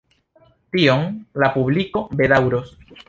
Tion la publiko bedaŭros.